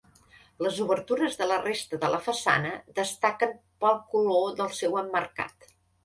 Les obertures de la resta de la façana destaquen pel color del seu emmarcat.